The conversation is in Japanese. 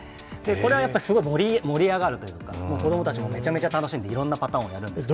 これはすごく盛り上がるというか、子供たちもめちゃめちゃやって、いろいろなパターンをやるんです。